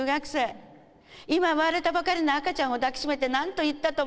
今産まれたばかりの赤ちゃんを抱きしめて何と言ったと思う？